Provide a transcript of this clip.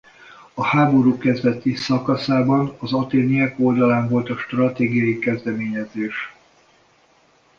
A háború kezdeti szakaszában az athéniek oldalán volt a stratégiai kezdeményezés.